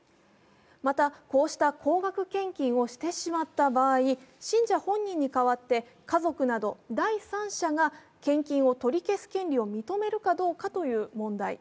また、こうした高額献金をしてしまった場合、信者本人に代わって家族など第三者が献金を取り消す権利を認めるかどうかという問題。